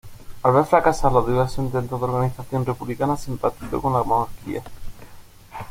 Al ver fracasar los diversos intentos de organización republicana simpatizó con la monarquía.